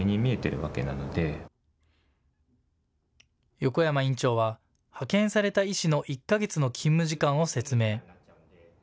横山院長は派遣された医師の１か月の勤務時間を説明。